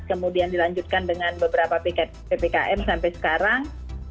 kemudian dilanjutkan dengan beberapa ppkm sampai sekarang